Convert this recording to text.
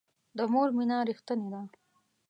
د مور مینه ریښتینې ده